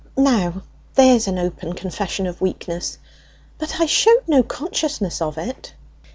Now there's an open confession of weakness. But I showed no consciousness of it."